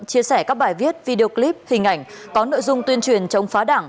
chia sẻ các bài viết video clip hình ảnh có nội dung tuyên truyền chống phá đảng